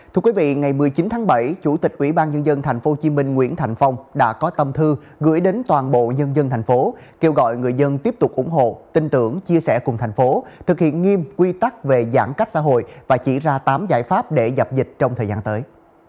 thưa quý vị ngày một mươi chín tháng bảy chủ tịch ủy ban nhân dân tp hcm nguyễn thành phong đã có tâm thư gửi đến toàn bộ nhân dân thành phố kêu gọi người dân tiếp tục ủng hộ tin tưởng chia sẻ cùng thành phố thực hiện nghiêm quy tắc về giãn cách xã hội và chỉ ra tám giải pháp để dập dịch trong thời gian tới